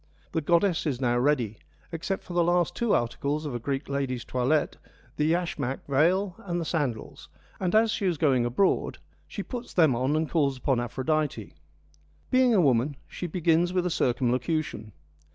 The goddess is now ready, except for the last two articles of a Greek lady's toilette, the yashmak veil and the sandals, and as she is going abroad she puts them on and calls upon Aphrodite. Being a woman, she begins with a circumlocution.